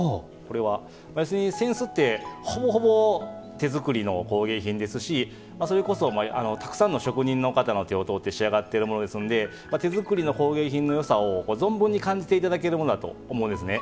扇子って、ほぼほぼ手作りの工芸品ですしそれこそ、たくさんの職人の方の手をとおって仕上がってるものですんで手作りの工芸品のよさを存分に感じていただけるものだと思うんですね。